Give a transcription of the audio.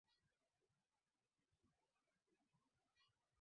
Constantinople Uvamizi wa Timur wa Anatolia na kushindwa kwa vikosi